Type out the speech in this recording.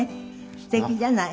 すてきじゃない。